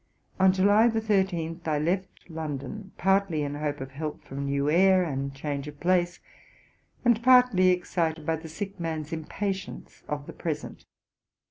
On July 13, I left London, partly in hope of help from new air and change of place, and partly excited by the sick man's impatience of the present.